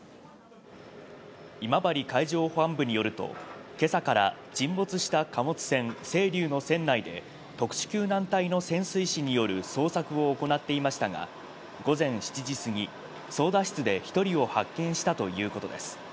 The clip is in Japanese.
今治海上保安部によると、けさから沈没した貨物船せいりゅうの船内で、特殊救難隊の潜水士による捜索を行っていましたが、午前７時過ぎ、操舵室で１人を発見したということです。